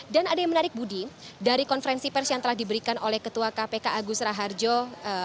dan ada yang menarik budi dari konferensi pers yang telah diberikan oleh ketua kpk agus raharjah